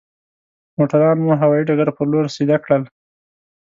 موټران مو هوايي ډګر پر لور سيده کړل.